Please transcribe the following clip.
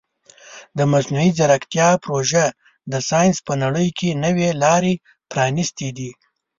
د مصنوعي ځیرکتیا پروژې د ساینس په نړۍ کې نوې لارې پرانیستې دي.